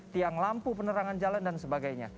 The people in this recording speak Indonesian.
tiang lampu penerangan jalan dan sebagainya